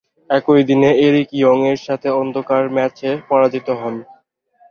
একই দিনে Eric Young এর সাথে অন্ধকার ম্যাচ এ পরাজিত হোন।